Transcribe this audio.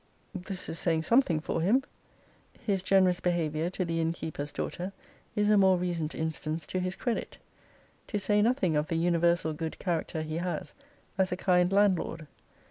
This is saying something for him. His generous behaviour to the innkeeper's daughter is a more recent instance to his credit; to say nothing of the universal good character he has as a kind landlord.